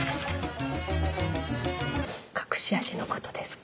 隠し味のことですか？